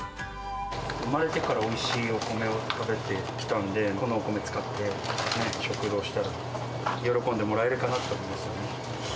生まれてからおいしいお米を食べてきたんで、このお米を使って食堂したら、喜んでもらえるかなと思いますよ